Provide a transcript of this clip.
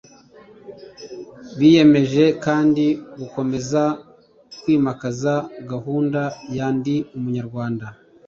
Biyemeje kandi gukomeza kwimakaza gahunda ya Ndi Umunyarwanda